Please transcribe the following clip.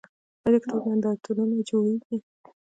آیا د کتاب نندارتونونه جوړیږي؟